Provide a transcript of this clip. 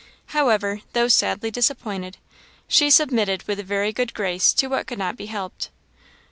However, though sadly disappointed, she submitted with a very good grace to what could not be helped.